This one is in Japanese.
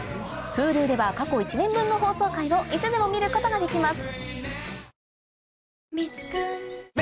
Ｈｕｌｕでは過去１年分の放送回をいつでも見ることができます